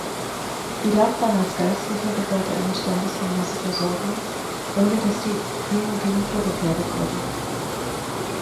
Die Laufbahn als Geistlicher gewährte eine standesgemäße Versorgung, ohne dass die Primogenitur gefährdet wurde.